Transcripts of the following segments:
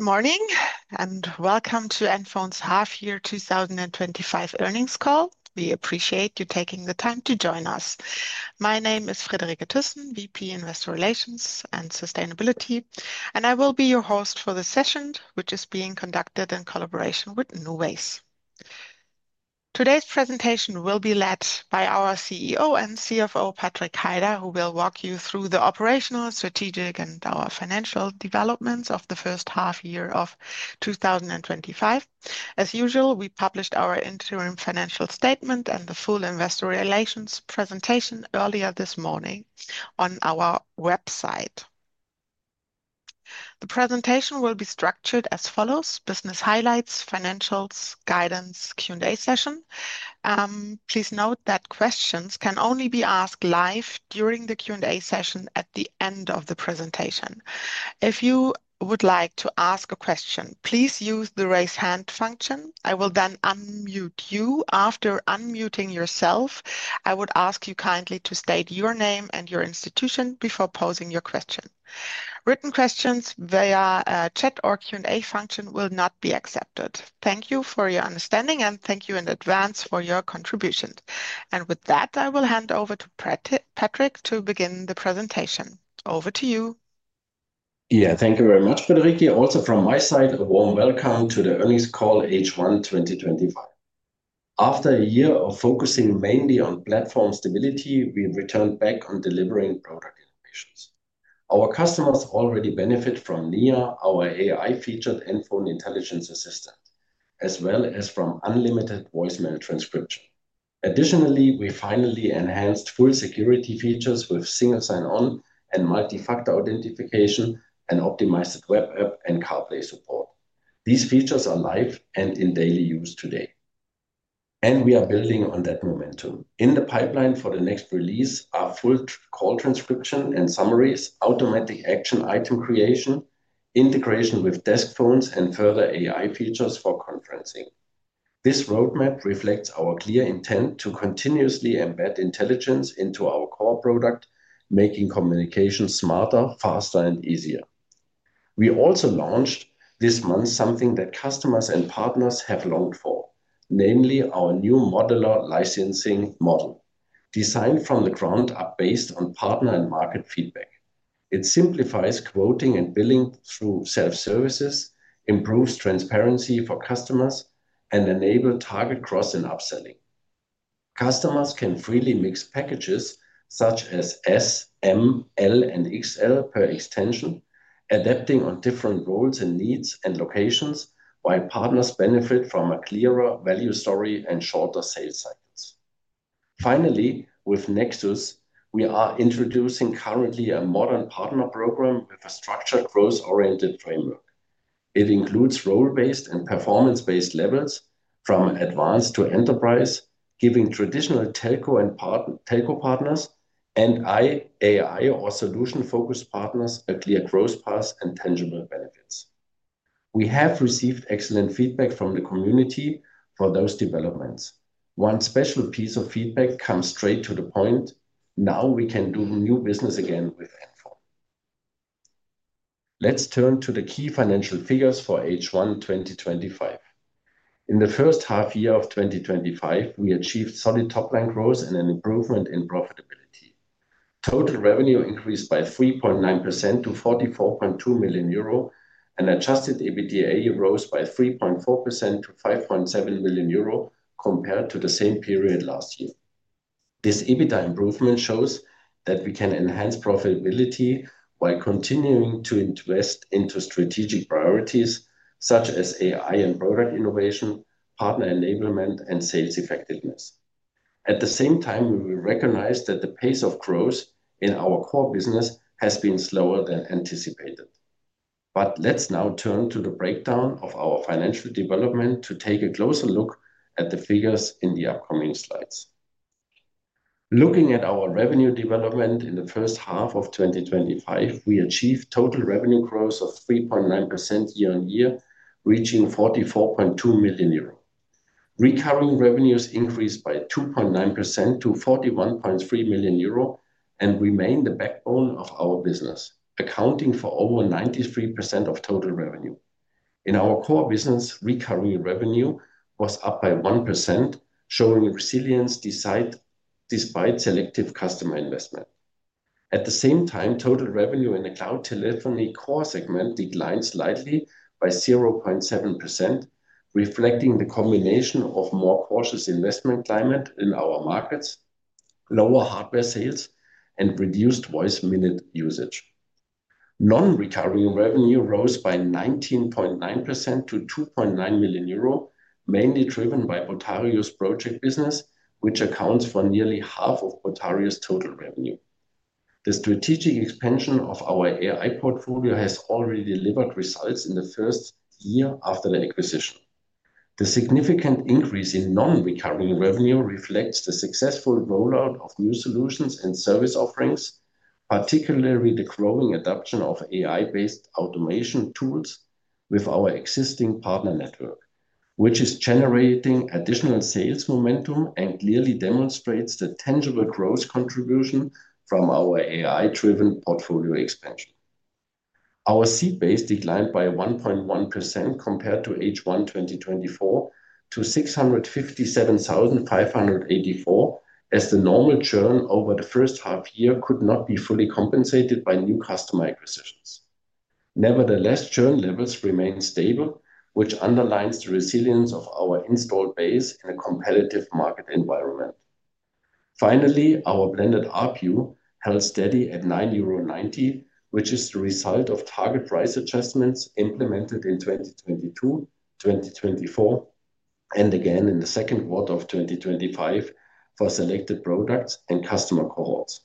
Good morning and welcome to NFON AG's Half-Year 2025 Earnings Call. We appreciate you taking the time to join us. My name is Friederike Thyssen, VP Investor Relations & Sustainability, and I will be your host for this session, which is being conducted in collaboration with NuWays. Today's presentation will be led by our CEO and CFO, Patrik Heider, who will walk you through the operational, strategic, and our financial developments of the first half-year of 2025. As usual, we published our interim financial statement and the full Investor Relations presentation earlier this morning on our website. The presentation will be structured as follows: business highlights, financials, guidance, and Q&A session. Please note that questions can only be asked live during the Q&A session at the end of the presentation. If you would like to ask a question, please use the raise hand function. I will then unmute you. After unmuting yourself, I would ask you kindly to state your name and your institution before posing your question. Written questions via chat or Q&A function will not be accepted. Thank you for your understanding, and thank you in advance for your contribution. With that, I will hand over to Patrik to begin the presentation. Over to you. Yeah, thank you very much, Friederike. Also, from my side, a warm welcome to the earnings call H1 2025. After a year of focusing mainly on platform stability, we've returned back on delivering product innovations. Our customers already benefit from Nia, our AI-featured endpoint intelligence assistant, as well as from unlimited voicemail transcription. Additionally, we finally enhanced full security features with single sign-on and multi-factor authentication and optimized web app and CarPlay support. These features are live and in daily use today. We are building on that momentum. In the pipeline for the next release are full call transcription and summaries, automatic action item creation, integration with desk phones, and further AI features for conferencing. This roadmap reflects our clear intent to continuously embed intelligence into our core product, making communication smarter, faster, and easier. We also launched this month something that customers and partners have longed for, namely our new modular licensing model, designed from the ground up based on partner and market feedback. It simplifies quoting and billing through self-services, improves transparency for customers, and enables target cross and upselling. Customers can freely mix packages such as S, M, L, and XL per extension, adapting on different roles and needs and locations, while partners benefit from a clearer value story and shorter sales cycles. Finally, with NEXUS, we are introducing currently a modern partner program with a structured growth-oriented framework. It includes role-based and performance-based levels from advanced to enterprise, giving traditional telco partners and AI or solution-focused partners a clear growth path and tangible benefits. We have received excellent feedback from the community for those developments. One special piece of feedback comes straight to the point: now we can do new business again with NFON. Let's turn to the key financial figures for H1 2025. In the first half-year of 2025, we achieved solid top-line growth and an improvement in profitability. Total revenue increased by 3.9% to €44.2 million, and adjusted EBITDA rose by 3.4% to €5.7 million compared to the same period last year. This EBITDA improvement shows that we can enhance profitability while continuing to invest into strategic priorities such as AI and product innovation, partner enablement, and sales effectiveness. At the same time, we will recognize that the pace of growth in our core business has been slower than anticipated. Let's now turn to the breakdown of our financial development to take a closer look at the figures in the upcoming slides. Looking at our revenue development in the first half of 2025, we achieved total revenue growth of 3.9% year-on-year, reaching €44.2 million. Recurring revenues increased by 2.9% to €41.3 million and remain the backbone of our business, accounting for over 93% of total revenue. In our core business, recurring revenue was up by 1%, showing resilience despite selective customer investment. At the same time, total revenue in the cloud telephony core segment declined slightly by 0.7%, reflecting the combination of a more cautious investment climate in our markets, lower hardware sales, and reduced voice minute usage. Non-recurring revenue rose by 19.9% to €2.9 million, mainly driven by botario's project business, which accounts for nearly half of botario's total revenue. The strategic expansion of our AI portfolio has already delivered results in the first year after the acquisition. The significant increase in non-recurring revenue reflects the successful rollout of new solutions and service offerings, particularly the growing adoption of AI-based automation tools with our existing partner network, which is generating additional sales momentum and clearly demonstrates the tangible growth contribution from our AI-driven portfolio expansion. Our seat base declined by 1.1% compared to H1 2024 to 657,584, as the normal churn over the first half-year could not be fully compensated by new customer acquisitions. Nevertheless, churn levels remain stable, which underlines the resilience of our installed base in a competitive market environment. Finally, our blended RPU held steady at €9.90, which is the result of target price adjustments implemented in 2022, 2024, and again in the second quarter of 2025 for selected products and customer cohorts.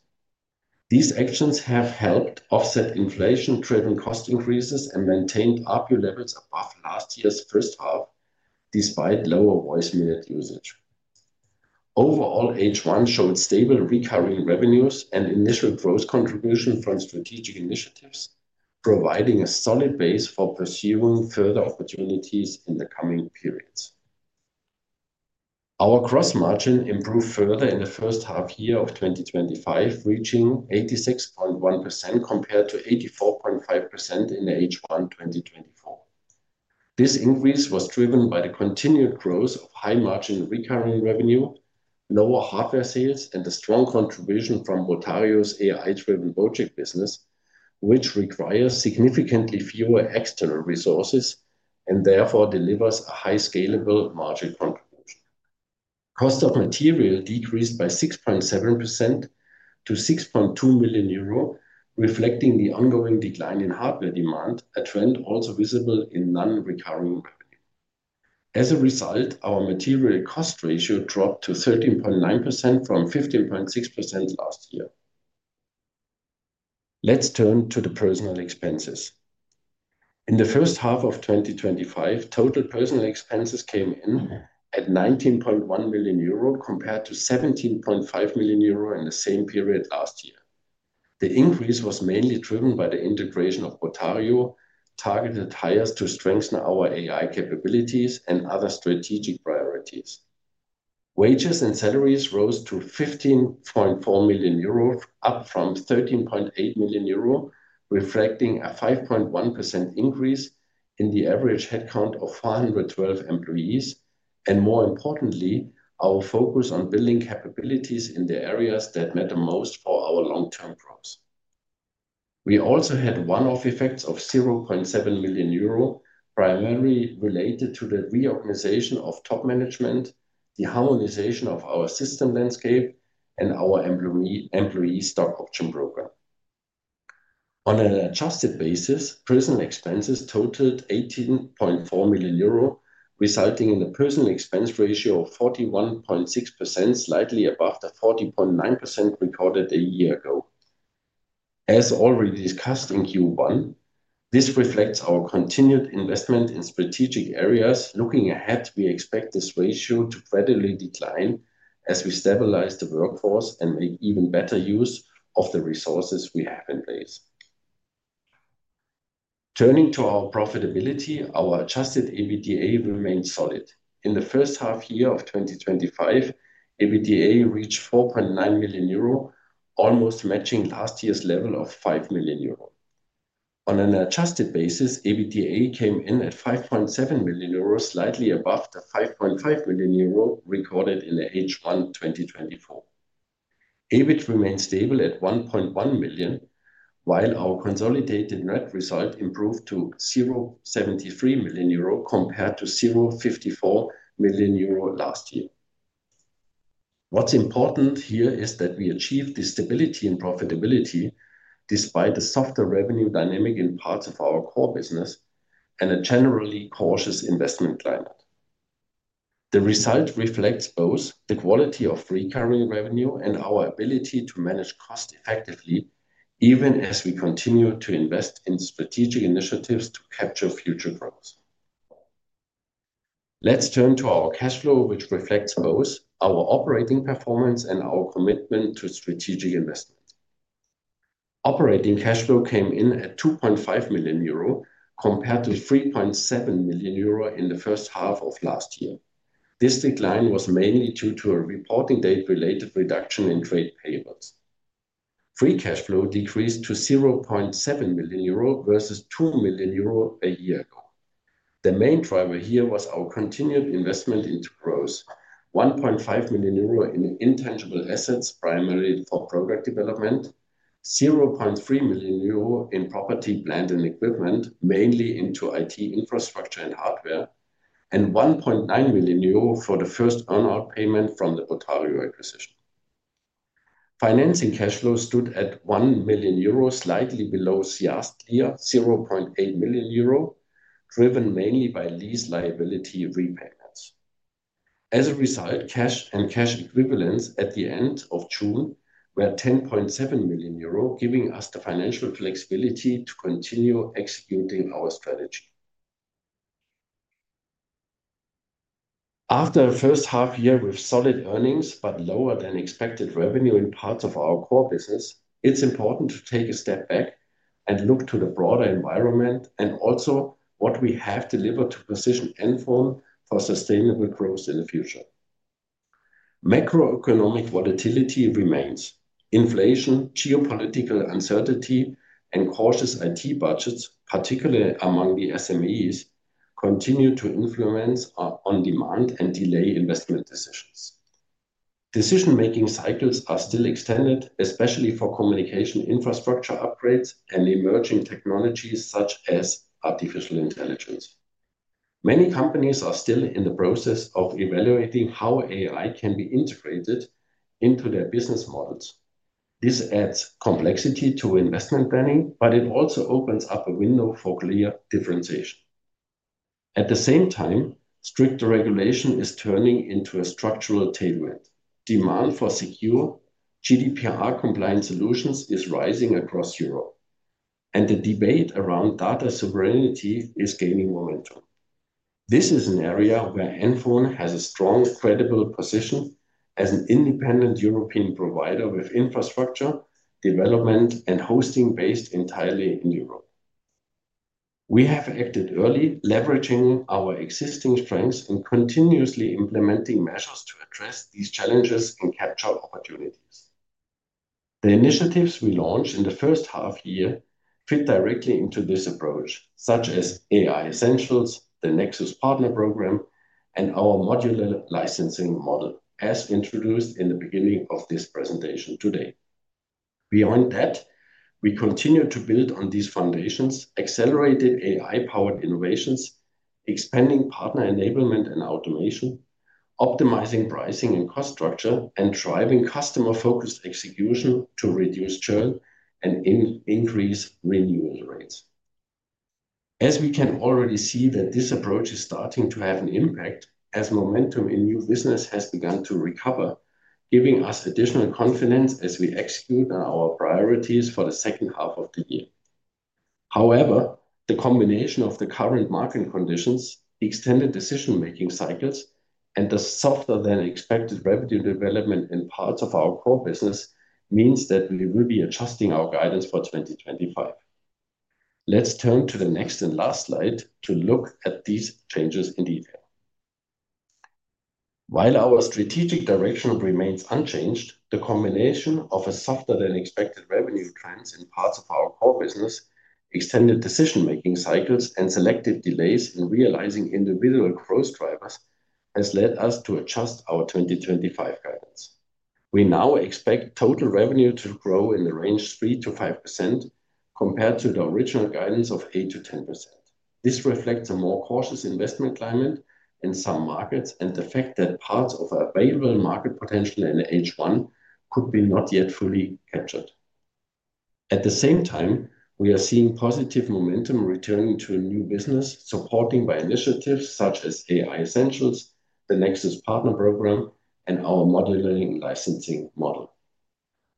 These actions have helped offset inflation-driven cost increases and maintained RPU levels above last year's first half, despite lower voice minute usage. Overall, H1 showed stable recurring revenues and initial growth contribution from strategic initiatives, providing a solid base for pursuing further opportunities in the coming periods. Our gross margin improved further in the first half-year of 2025, reaching 86.1% compared to 84.5% in H1 2024. This increase was driven by the continued growth of high margin recurring revenue, lower hardware sales, and the strong contribution from botario's AI-driven project business, which requires significantly fewer external resources and therefore delivers a highly scalable margin contribution. Cost of material decreased by 6.7% to €6.2 million, reflecting the ongoing decline in hardware demand, a trend also visible in non-recurring revenue. As a result, our material cost ratio dropped to 13.9% from 15.6% last year. Let's turn to the personnel expenses. In the first half of 2025, total personnel expenses came in at €19.1 million compared to €17.5 million in the same period last year. The increase was mainly driven by the integration of botario, targeted hires to strengthen our AI capabilities, and other strategic priorities. Wages and salaries rose to €15.4 million, up from €13.8 million, reflecting a 5.1% increase in the average headcount of 412 employees, and more importantly, our focus on building capabilities in the areas that matter most for our long-term growth. We also had one-off effects of €0.7 million, primarily related to the reorganization of top management, the harmonization of our system landscape, and our employee stock option program. On an adjusted basis, personnel expenses totaled €18.4 million, resulting in a personnel expense ratio of 41.6%, slightly above the 40.9% recorded a year ago. As already discussed in Q1, this reflects our continued investment in strategic areas. Looking ahead, we expect this ratio to gradually decline as we stabilize the workforce and make even better use of the resources we have in place. Turning to our profitability, our adjusted EBITDA remained solid. In the first half-year of 2025, EBITDA reached €4.9 million, almost matching last year's level of €5 million. On an adjusted basis, EBITDA came in at €5.7 million, slightly above the €5.5 million recorded in H1 2024. EBIT remained stable at €1.1 million, while our consolidated net result improved to €0.73 million compared to €0.54 million last year. What's important here is that we achieved this stability in profitability, despite a softer revenue dynamic in parts of our core business and a generally cautious investment climate. The result reflects both the quality of recurring revenue and our ability to manage costs effectively, even as we continue to invest in strategic initiatives to capture future growth. Let's turn to our cash flow, which reflects both our operating performance and our commitment to strategic investments. Operating cash flow came in at €2.5 million compared to €3.7 million in the first half of last year. This decline was mainly due to a reporting date-related reduction in trade payables. Free cash flow decreased to €0.7 million versus €2 million a year ago. The main driver here was our continued investment into growth: €1.5 million in intangible assets, primarily for product development, €0.3 million in property, land, and equipment, mainly into IT infrastructure and hardware, and €1.9 million for the first earnout payment from the botario acquisition. Financing cash flow stood at €1 million, slightly below last year's €0.8 million, driven mainly by lease liability repayments. As a result, cash and cash equivalents at the end of June were €10.7 million, giving us the financial flexibility to continue executing our strategy. After a first half-year with solid earnings, but lower than expected revenue in parts of our core business, it's important to take a step back and look to the broader environment and also what we have delivered to position NFON for sustainable growth in the future. Macroeconomic volatility remains. Inflation, geopolitical uncertainty, and cautious IT budgets, particularly among the SMEs, continue to influence on demand and delay investment decisions. Decision-making cycles are still extended, especially for communication infrastructure upgrades and emerging technologies such as artificial intelligence. Many companies are still in the process of evaluating how AI can be integrated into their business models. This adds complexity to investment planning, but it also opens up a window for clear differentiation. At the same time, stricter regulation is turning into a structural tailwind. Demand for secure GDPR-compliant solutions is rising across Europe, and the debate around data sovereignty is gaining momentum. This is an area where NFON has a strong, credible position as an independent European provider with infrastructure, development, and hosting based entirely in Europe. We have acted early, leveraging our existing strengths and continuously implementing measures to address these challenges and capture opportunities. The initiatives we launched in the first half-year fit directly into this approach, such as AI Essentials, the NEXUS Partner Programme, and our modular licensing model, as introduced in the beginning of this presentation today. Beyond that, we continue to build on these foundations, accelerated AI-powered innovations, expanding partner enablement and automation, optimizing pricing and cost structure, and driving customer-focused execution to reduce churn and increase renewal rates. As we can already see, this approach is starting to have an impact, as momentum in new business has begun to recover, giving us additional confidence as we execute on our priorities for the second half of the year. However, the combination of the current market conditions, extended decision-making cycles, and the softer than expected revenue development in parts of our core business means that we will be adjusting our guidance for 2025. Let's turn to the next and last slide to look at these changes in detail. While our strategic direction remains unchanged, the combination of a softer than expected revenue trends in parts of our core business, extended decision-making cycles, and selected delays in realizing individual growth drivers has led us to adjust our 2025 guidance. We now expect total revenue to grow in the range of 3%-5% compared to the original guidance of 8%-10%. This reflects a more cautious investment climate in some markets and the fact that parts of available market potential in H1 could be not yet fully captured. At the same time, we are seeing positive momentum returning to new business, supported by initiatives such as AI Essentials, the NEXUS Partner Programme, and our modular licensing model.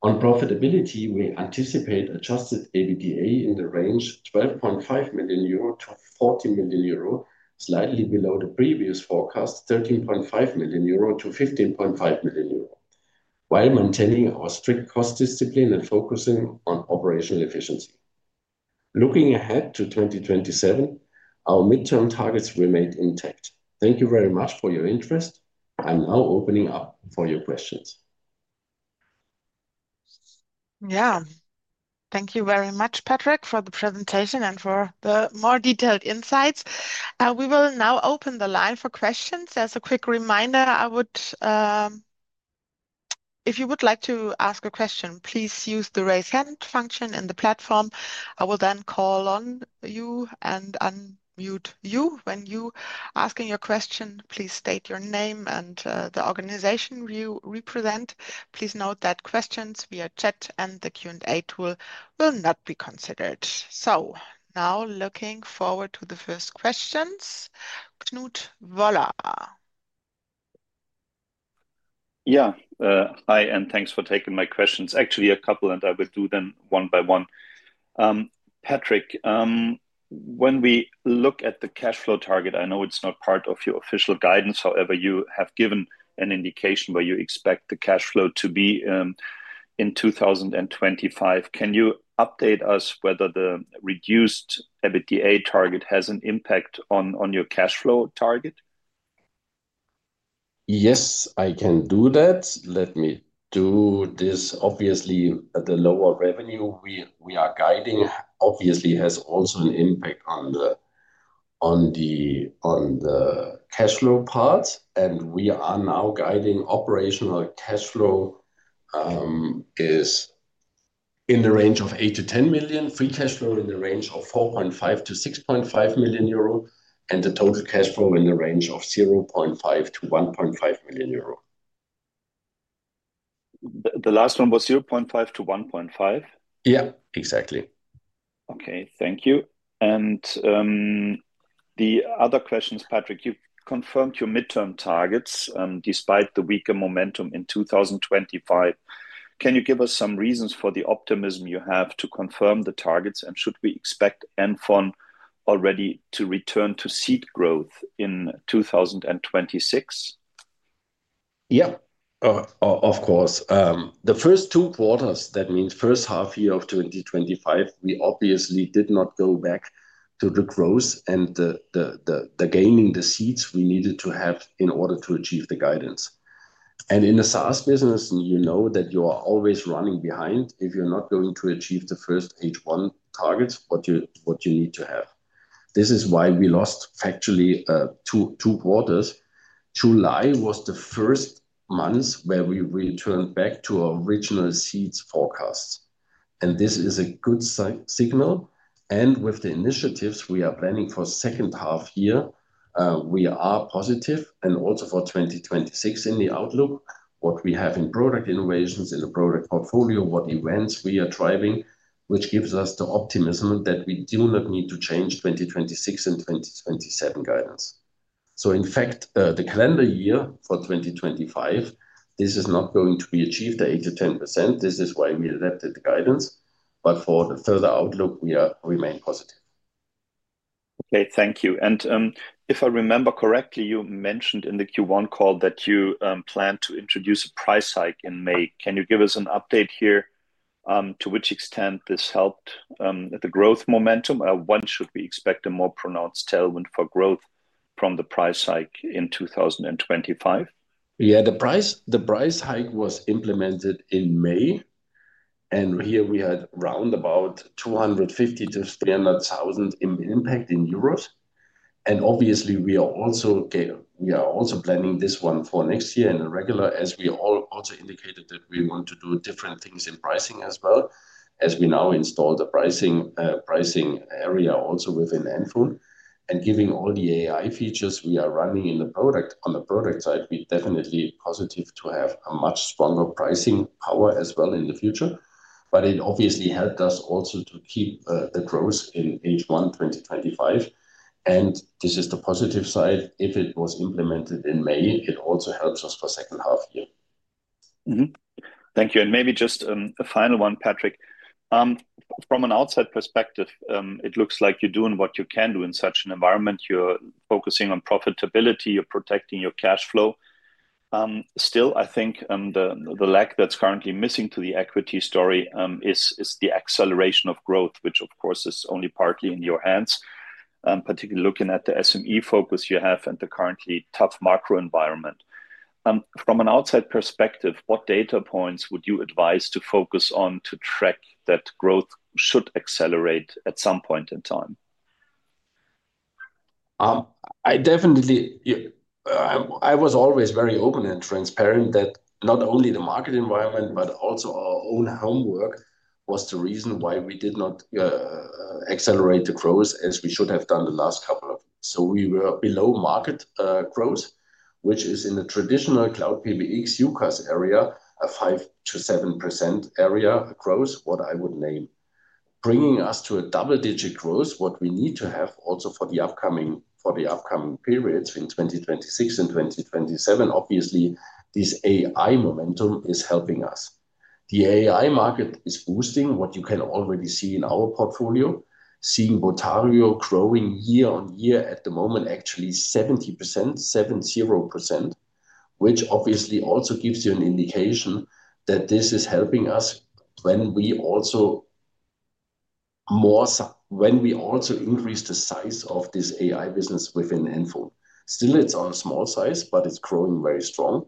On profitability, we anticipate adjusted EBITDA in the range of €12.5 million-€14 million, slightly below the previous forecast of €13.5 million-€15.5 million, while maintaining our strict cost discipline and focusing on operational efficiency. Looking ahead to 2027, our midterm targets remain intact. Thank you very much for your interest. I'm now opening up for your questions. Yeah, thank you very much, Patrik, for the presentation and for the more detailed insights. We will now open the line for questions. As a quick reminder, if you would like to ask a question, please use the raise hand function in the platform. I will then call on you and unmute you. When you are asking your question, please state your name and the organization you represent. Please note that questions via chat and the Q&A tool will not be considered. Looking forward to the first questions. Knut Voller. Yeah, hi, and thanks for taking my questions. Actually, a couple, and I will do them one by one. Patrik, when we look at the cash flow target, I know it's not part of your official guidance. However, you have given an indication where you expect the cash flow to be in 2025. Can you update us whether the reduced EBITDA target has an impact on your cash flow target? Yes, I can do that. Let me do this. Obviously, the lower revenue we are guiding obviously has also an impact on the cash flow part, and we are now guiding operational cash flow in the range of €8 million-€10 million, free cash flow in the range of €4.5 million-€6.5 million, and the total cash flow in the range of €0.5 million-€1.5 million. The last one was €0.5 million-€1.5 million? Yeah, exactly. Okay, thank you. The other question is, Patrik, you confirmed your midterm targets despite the weaker momentum in 2025. Can you give us some reasons for the optimism you have to confirm the targets, and should we expect NFON already to return to seed growth in 2026? Yeah, of course. The first two quarters, that means the first half-year of 2025, we obviously did not go back to the growth and the gaining the seats we needed to have in order to achieve the guidance. In the SaaS business, you know that you are always running behind if you're not going to achieve the first H1 targets, what you need to have. This is why we lost factually two quarters. July was the first month where we returned back to our original seats forecasts, and this is a good signal. With the initiatives we are planning for the second half-year, we are positive, and also for 2026 in the outlook, what we have in product innovations in the product portfolio, what events we are driving, which gives us the optimism that we do not need to change 2026 and 2027 guidance. In fact, the calendar year for 2025, this is not going to be achieved at 8%-10%. This is why we adapted the guidance, but for the further outlook, we remain positive. Okay, thank you. If I remember correctly, you mentioned in the Q1 call that you plan to introduce a price hike in May. Can you give us an update here to which extent this helped the growth momentum? When should we expect a more pronounced tailwind for growth from the price hike in 2025? Yeah, the price hike was implemented in May, and here we had around €250,000-€300,000 in impact in euros. Obviously, we are also planning this one for next year in a regular, as we also indicated that we want to do different things in pricing as well, as we now install the pricing area also within NFON. Given all the AI features we are running in the product, on the product side, we are definitely positive to have a much stronger pricing power as well in the future. It obviously helped us also to keep the growth in H1 2025. This is the positive side. If it was implemented in May, it also helps us for the second half-year. Thank you. Maybe just a final one, Patrik. From an outside perspective, it looks like you're doing what you can do in such an environment. You're focusing on profitability. You're protecting your cash flow. Still, I think the lag that's currently missing to the equity story is the acceleration of growth, which of course is only partly in your hands, particularly looking at the SME focus you have and the currently tough macro-economic environment. From an outside perspective, what data points would you advise to focus on to track that growth should accelerate at some point in time? I definitely, I was always very open and transparent that not only the market environment but also our own homework was the reason why we did not accelerate the growth as we should have done the last couple of years. We were below market growth, which is in the traditional cloud PBX UCaaS area, a 5%-7% area growth, what I would name. Bringing us to a double-digit growth, what we need to have also for the upcoming periods in 2026 and 2027, obviously, is AI momentum is helping us. The AI market is boosting, what you can already see in our portfolio, seeing botario growing year-on-year at the moment, actually 70%, 70%, which obviously also gives you an indication that this is helping us when we also increase the size of this AI business within NFON. Still, it's on a small size, but it's growing very strong.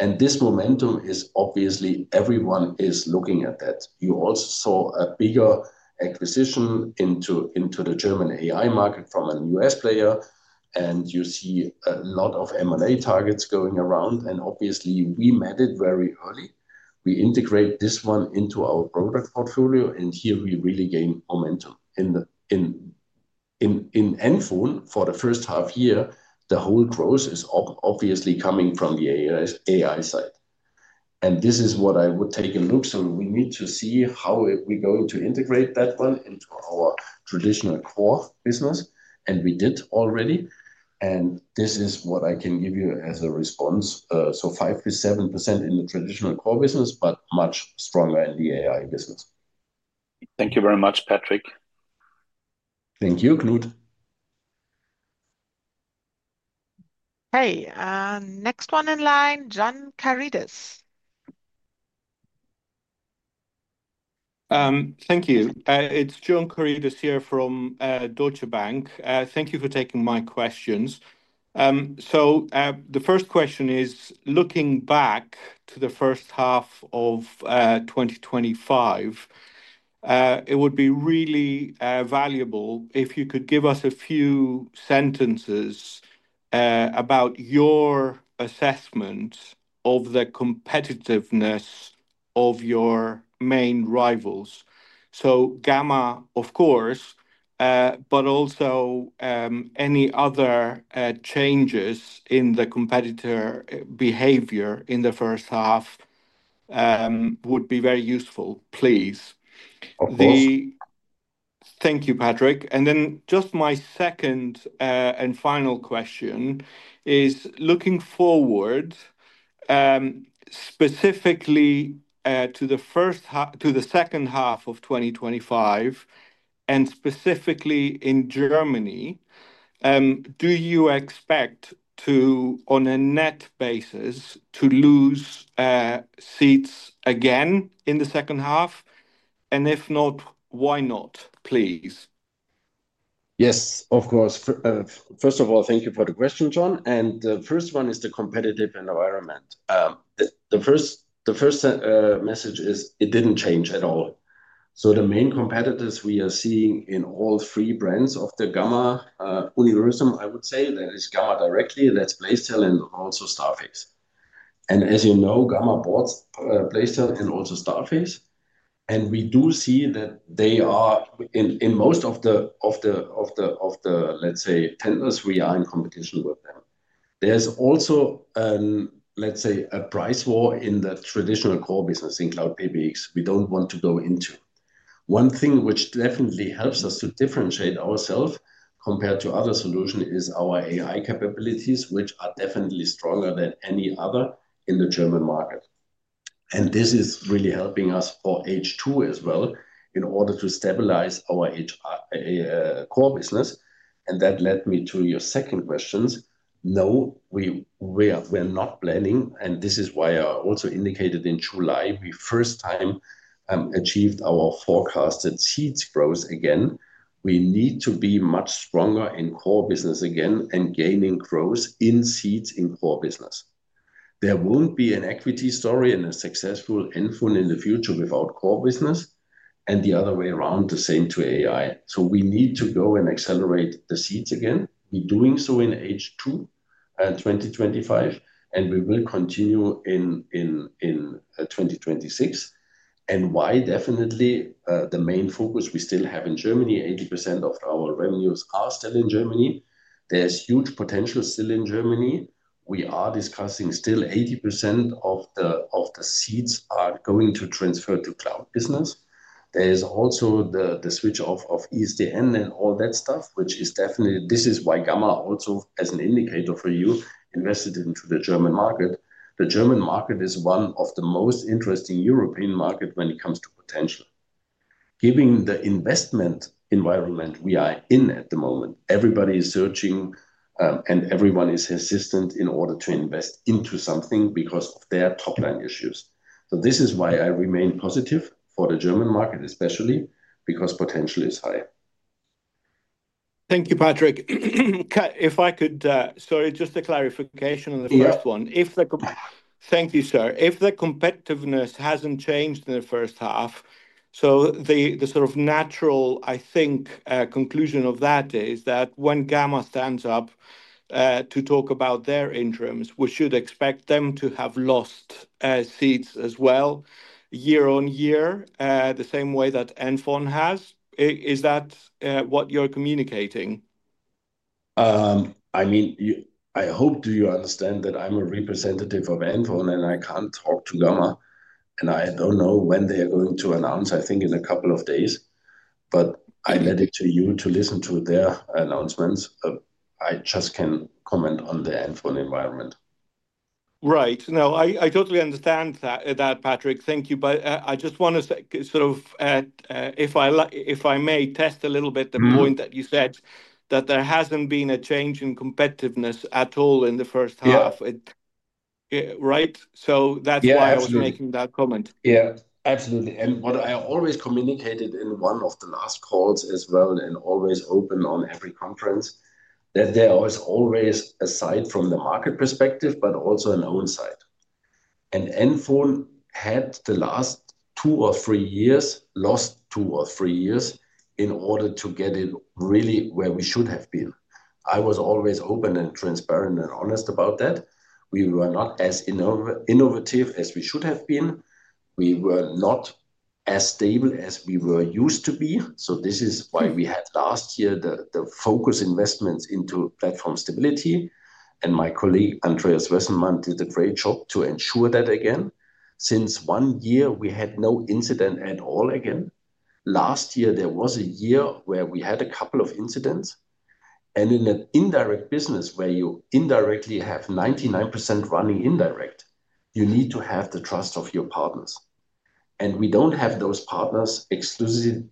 This momentum is obviously everyone is looking at that. You also saw a bigger acquisition into the German AI market from a U.S. player, and you see a lot of M&A targets going around. Obviously, we met it very early. We integrate this one into our product portfolio, and here we really gain momentum. In NFON, for the first half-year, the whole growth is obviously coming from the AI side. This is what I would take a look. We need to see how we're going to integrate that one into our traditional core business, and we did already. This is what I can give you as a response. 5%-7% in the traditional core business, but much stronger in the AI business. Thank you very much, Patrik. Thank you, Knut. Hey, next one in line, John Karidis. Thank you. It's John Karidis here from Deutsche Bank. Thank you for taking my questions. The first question is, looking back to the first half of 2025, it would be really valuable if you could give us a few sentences about your assessment of the competitiveness of your main rivals. Gamma, of course, but also any other changes in the competitor behavior in the first half would be very useful, please. Of course. Thank you, Patrik. My second and final question is, looking forward specifically to the second half of 2025, and specifically in Germany, do you expect on a net basis to lose seats again in the second half? If not, why not, please? Yes, of course. First of all, thank you for the question, John. The first one is the competitive environment. The first message is it didn't change at all. The main competitors we are seeing in all three brands of the Gamma, Universum, I would say, that is Gamma directly, that's Placetel and also STARFACE. As you know, Gamma bought Placetel and also STARFACE. We do see that they are in most of the, let's say, tenders we are in competition with them. There's also, let's say, a price war in the traditional core business in cloud PBX we don't want to go into. One thing which definitely helps us to differentiate ourselves compared to other solutions is our AI capabilities, which are definitely stronger than any other in the German market. This is really helping us for H2 as well in order to stabilize our core business. That led me to your second question. No, we are not planning, and this is why I also indicated in July, we first time achieved our forecasted seats growth again. We need to be much stronger in core business again and gaining growth in seats in core business. There won't be an equity story and a successful NFON in the future without core business, and the other way around, the same to AI. We need to go and accelerate the seats again, doing so in H2 and 2025, and we will continue in 2026. Why? Definitely, the main focus we still have in Germany, 80% of our revenues are still in Germany. There's huge potential still in Germany. We are discussing still 80% of the seats are going to transfer to cloud business. There's also the switch off of ISDN and all that stuff, which is definitely, this is why Gamma also, as an indicator for you, invested into the German market. The German market is one of the most interesting European markets when it comes to potential, given the investment environment we are in at the moment. Everybody is searching, and everyone is hesitant in order to invest into something because of their top-line issues. This is why I remain positive for the German market, especially because potential is high. Thank you, Patrik. If I could, just a clarification on the first one. Thank you, sir. If the competitiveness hasn't changed in the first half, the sort of natural, I think, conclusion of that is that when Gamma stands up to talk about their interims, we should expect them to have lost seats as well, year on year, the same way that NFON has. Is that what you're communicating? I hope you understand that I'm a representative of NFON, and I can't talk to Gamma, and I don't know when they're going to announce. I think in a couple of days, but I'm headed to you to listen to their announcements. I just can't comment on the NFON environment. Right. No, I totally understand that, Patrik. Thank you. I just want to sort of add, if I may test a little bit the point that you said, that there hasn't been a change in competitiveness at all in the first half. Right? That's why I was making that comment. Yeah, absolutely. What I always communicated in one of the last calls as well, always open on every conference, is that there is always a side from the market perspective, but also an own side. NFON had the last two or three years, lost two or three years in order to get it really where we should have been. I was always open and transparent and honest about that. We were not as innovative as we should have been. We were not as stable as we were used to be. This is why we had last year the focus investments into platform stability. My colleague, Andreas Wesselmann, did a great job to ensure that again. Since one year, we had no incident at all again. Last year, there was a year where we had a couple of incidents. In an indirect business where you indirectly have 99% running indirect, you need to have the trust of your partners. We don't have those partners exclusive,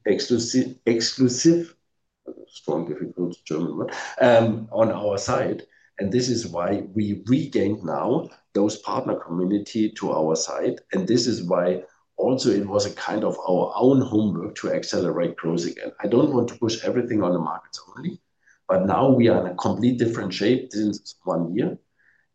strong difficult German word, on our side. This is why we regained now those partner communities to our side. This is why also it was a kind of our own homework to accelerate growth again. I don't want to push everything on the markets only, but now we are in a completely different shape since one year.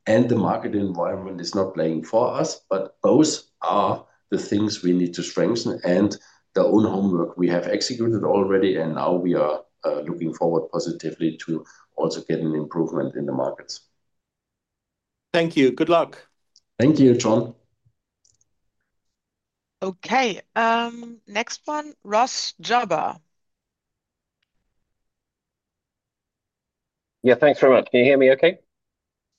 The market environment is not playing for us, but those are the things we need to strengthen and the own homework we have executed already. Now we are looking forward positively to also getting improvement in the markets. Thank you. Good luck. Thank you, John. Okay, next one, Ross Jobber. Yeah, thanks very much. Can you hear me okay?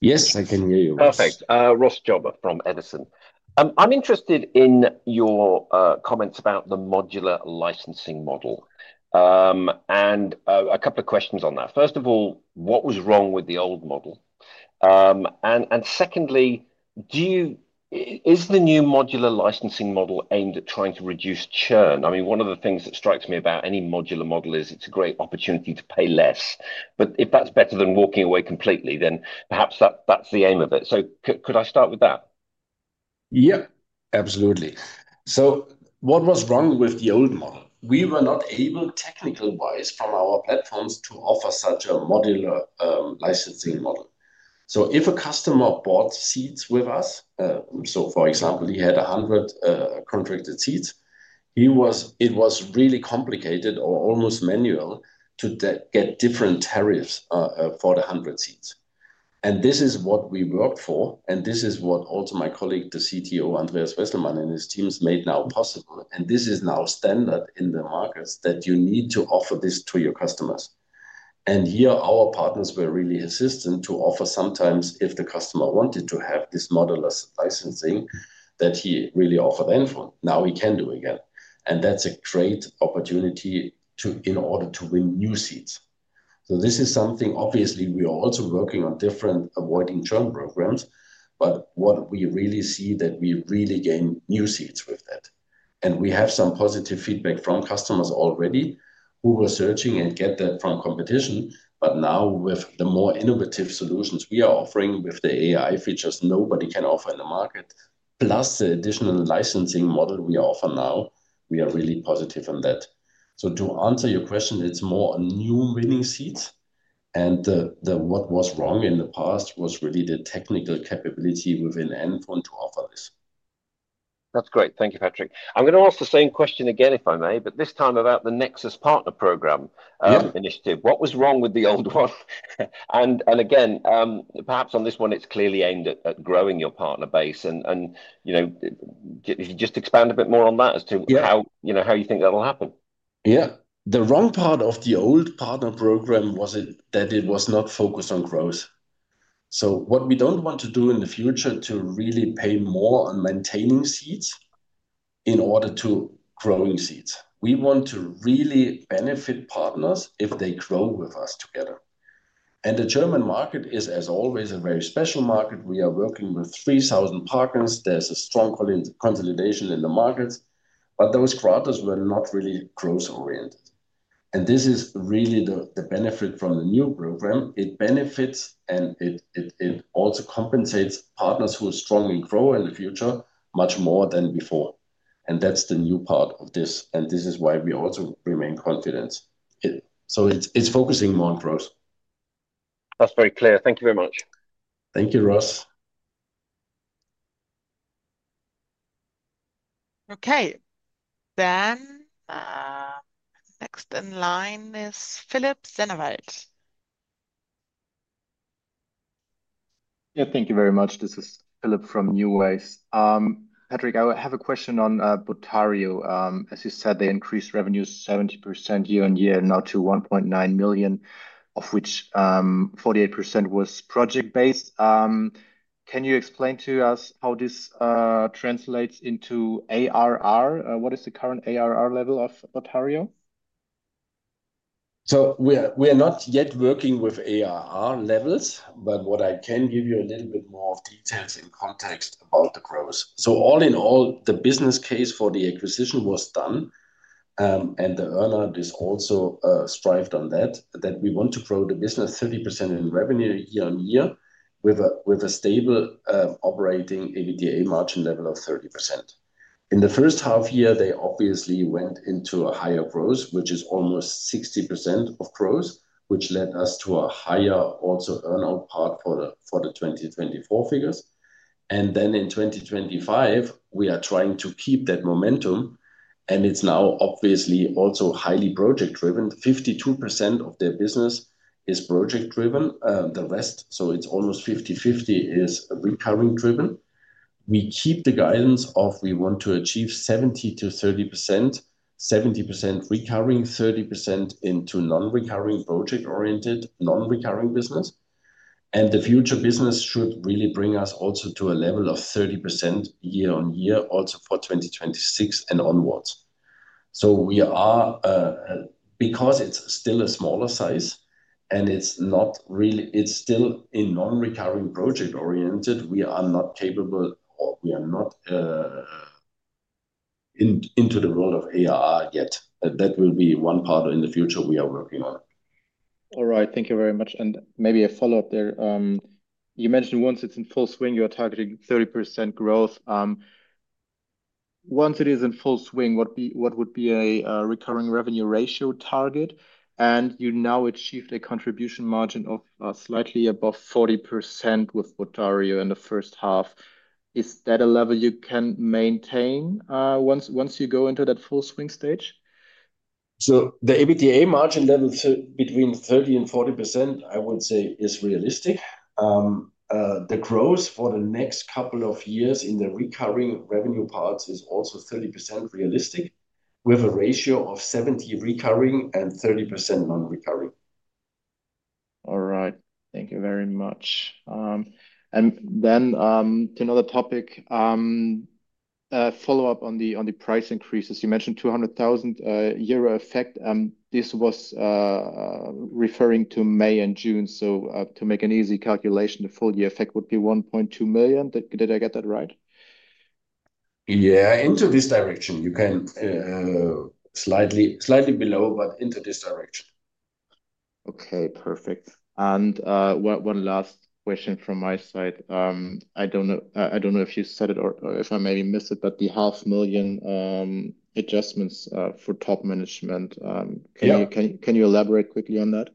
Yes, I can hear you. Perfect. Ross Jobber from Edison. I'm interested in your comments about the modular licensing model and a couple of questions on that. First of all, what was wrong with the old model? Secondly, is the new modular licensing model aimed at trying to reduce churn? I mean, one of the things that strikes me about any modular model is it's a great opportunity to pay less. If that's better than walking away completely, then perhaps that's the aim of it. Could I start with that? Yeah, absolutely. What was wrong with the old model? We were not able, technical-wise, from our platforms to offer such a modular licensing model. If a customer bought seats with us, for example, he had 100 contracted seats, it was really complicated or almost manual to get different tariffs for the 100 seats. This is what we worked for. This is what also my colleague, the CTO, Andreas Wesselmann, and his teams made now possible. This is now standard in the markets that you need to offer this to your customers. Our partners were really insistent to offer, sometimes if the customer wanted to have this modular licensing, that he really offered NFON. Now he can do it again. That's a great opportunity in order to win new seats. This is something, obviously, we are also working on, different avoiding churn programs. What we really see is that we really gain new seats with that. We have some positive feedback from customers already who were searching and get that from competition. Now, with the more innovative solutions we are offering with the AI features nobody can offer in the market, plus the additional licensing model we offer now, we are really positive on that. To answer your question, it's more new winning seats. What was wrong in the past was really the technical capability within NFON to offer this. That's great. Thank you, Patrik. I'm going to ask the same question again, if I may, but this time about the Nexus Partner Program initiative. What was wrong with the old one? It's clearly aimed at growing your partner base. If you just expand a bit more on that as to how you think that'll happen. Yeah, the wrong part of the old partner program was that it was not focused on growth. What we don't want to do in the future is to really pay more on maintaining seats in order to grow seats. We want to really benefit partners if they grow with us together. The German market is, as always, a very special market. We are working with 3,000 partners. There's a strong consolidation in the markets. Those quarters were not really growth-oriented. This is really the benefit from the new program. It benefits, and it also compensates partners who strongly grow in the future much more than before. That's the new part of this. This is why we also remain confident. It's focusing more on growth. That's very clear. Thank you very much. Thank you, Ross. Okay, the next in line is Philip Sennewald. Thank you very much. This is Philip from NuWays. Patrik, I have a question on botario. As you said, they increased revenues 70% year-on-year and now to €1.9 million, of which 48% was project-based. Can you explain to us how this translates into ARR? What is the current ARR level of botario? We are not yet working with ARR levels, but what I can give you is a little bit more of details and context about the growth. All in all, the business case for the acquisition was done, and the earnout is also strived on that, that we want to grow the business 30% in revenue year-on-year with a stable operating EBITDA margin level of 30%. In the first half year, they obviously went into a higher growth, which is almost 60% of growth, which led us to a higher also earnout part for the 2024 figures. In 2025, we are trying to keep that momentum, and it's now obviously also highly project-driven. 52% of their business is project-driven. The rest, so it's almost 50-50, is recurring-driven. We keep the guidance of we want to achieve 70%-30%, 70% recurring, 30% into non-recurring project-oriented, non-recurring business. The future business should really bring us also to a level of 30% year-on-year, also for 2026 and onwards. Because it's still a smaller size, and it's not really, it's still a non-recurring project-oriented, we are not capable, or we are not into the world of ARR yet. That will be one part in the future we are working on. All right, thank you very much. Maybe a follow-up there. You mentioned once it's in full swing, you are targeting 30% growth. Once it is in full swing, what would be a recurring revenue ratio target? You now achieve the contribution margin of slightly above 40% with botario in the first half. Is that a level you can maintain once you go into that full swing stage? The EBITDA margin level between 30% and 40% is realistic. The growth for the next couple of years in the recurring revenue parts is also 30% realistic, with a ratio of 70% recurring and 30% non-recurring. All right, thank you very much. To another topic, a follow-up on the price increases. You mentioned a €200,000 effect. This was referring to May and June. To make an easy calculation, the full year effect would be €1.2 million. Did I get that right? Yeah, into this direction. You can slightly below, but into this direction. Okay, perfect. One last question from my side. I don't know if you said it or if I maybe missed it, but the €0.5 million adjustments for top management. Can you elaborate quickly on that?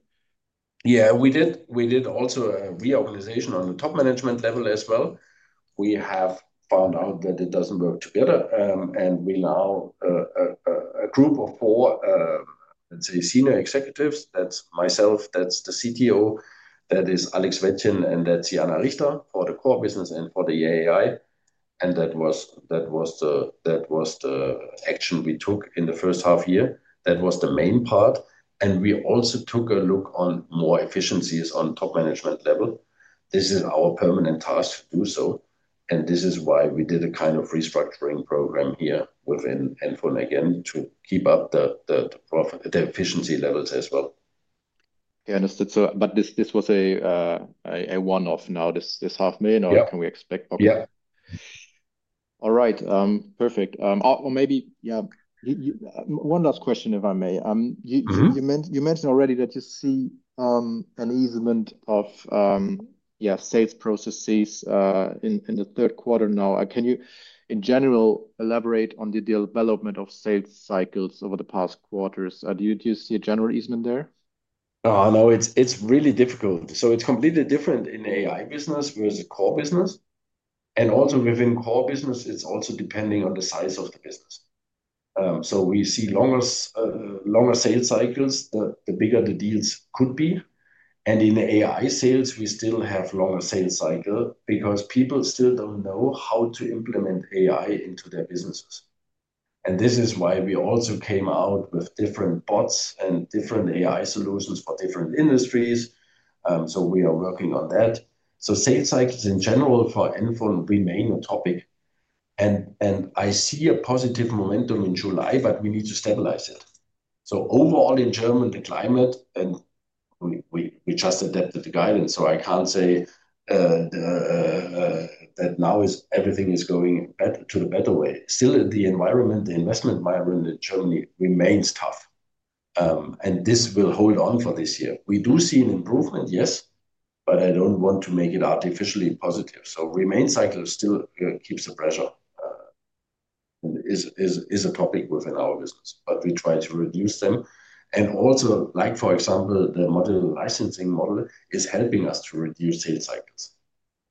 Yeah, we did also a reorganization on the top management level as well. We have found out that it doesn't work together. We now have a group of four, let's say, senior executives. That's myself, that's the CTO, that is Alex Wettjen, and that's Jana Richter for the core business and for the AI. That was the action we took in the first half year. That was the main part. We also took a look on more efficiencies on the top management level. This is our permanent task to do so. This is why we did a kind of restructuring program here within NFON again to keep up the efficiency levels as well. Yeah, understood. Was this a one-off now, this $0.5 million, or can we expect? Yeah. All right, perfect. Maybe one last question, if I may. You mentioned already that you see an easement of sales processes in the third quarter now. Can you, in general, elaborate on the development of sales cycles over the past quarters? Do you see a general easement there? Oh, no, it's really difficult. It's completely different in the AI business versus the core business. Also, within core business, it's depending on the size of the business. We see longer sales cycles, the bigger the deals could be. In the AI sales, we still have a longer sales cycle because people still don't know how to implement AI into their businesses. This is why we also came out with different bots and different AI-based solutions for different industries. We are working on that. Sales cycles in general for NFON remain a topic. I see a positive momentum in July, but we need to stabilize that. Overall in Germany, the climate, and we just adapted the guidance. I can't say that now everything is going to the better way. Still, the environment, the investment environment in Germany remains tough. This will hold on for this year. We do see an improvement, yes, but I don't want to make it artificially positive. The remaining cycle still keeps the pressure, is a topic within our business, but we try to reduce them. Also, for example, the modular licensing model is helping us to reduce sales cycles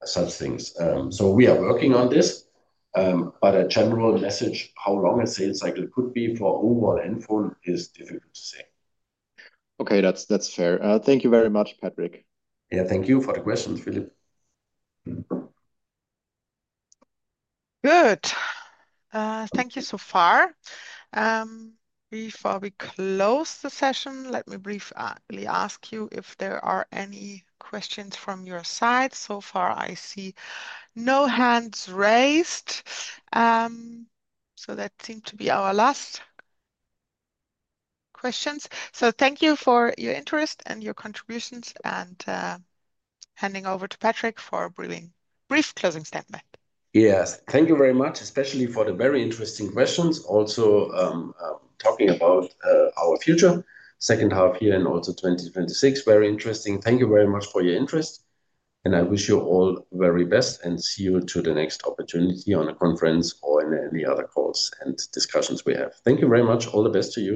and such things. We are working on this. A general message, how long a sales cycle could be for overall NFON is difficult to say. Okay, that's fair. Thank you very much, Patrik. Yeah, thank you for the questions, Philip. Good. Thank you so far. Before we close the session, let me briefly ask you if there are any questions from your side. I see no hands raised. That seemed to be our last questions. Thank you for your interest and your contributions. Handing over to Patrik for a brief closing statement. Yes, thank you very much, especially for the very interesting questions. Also, talking about our future, second half here and also 2026, very interesting. Thank you very much for your interest. I wish you all the very best and see you at the next opportunity on a conference or in any other calls and discussions we have. Thank you very much. All the best to you.